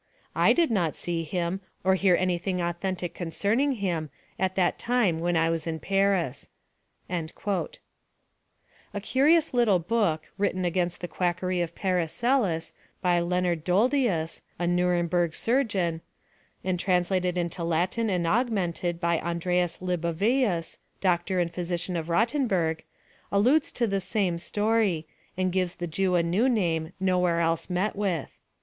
I did not see him, or hear anything authentic concerning him, at that time when I was in Paris." A curious little book, written against the quackery of Paracelsus, by Leonard Doldius, a Nürnberg physician, and translated into Latin and augmented, by Andreas Libavius, doctor and physician of Rotenburg, alludes to the same story, and gives the Jew a new name nowhere else met with.